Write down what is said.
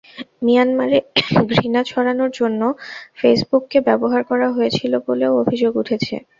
মিয়ানমারে ঘৃণা ছড়ানোর জন্য ফেসবুককে ব্যবহার করা হয়েছিল বলেও অভিযোগ উঠেছে।